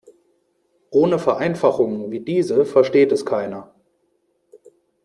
Ohne Vereinfachungen wie diese versteht es keiner.